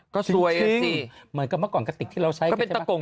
ก็ดูสิเหมือนกับเมื่อก่อนกระติกที่เราใช้กันตะกง